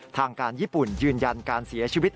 ทางการญี่ปุ่นยืนยันการเสียชีวิต